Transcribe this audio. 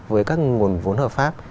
với các nguồn vốn hợp pháp